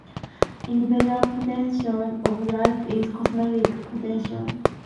Individual potential of life is cosmic potential.